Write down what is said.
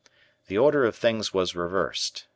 The order of things was reversed.